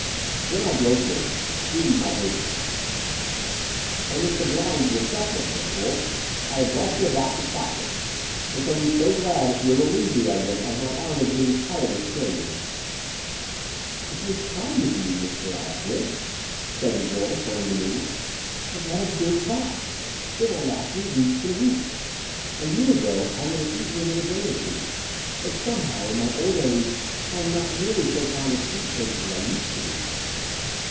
Then I broke in, greeting my hostess :'' From the sublime to the succulent, Miss Wolff ! I have brought you a box of chocolates, and shall > be so glad if you'll relieve me of them as my arm is. getting tired with carrying them." *'It is kind of you, Mr. Osgood," said the girl, turning to me: '*and what a big box! It will last me weeks and weeks. A year ago I would have eaten them in a day or two : but somehow, in my old age, I am not nearly so fond of sweet things as I used to be."